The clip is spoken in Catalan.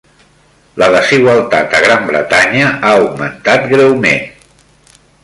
La desigualtat a Gran Bretanya ha augmentat greument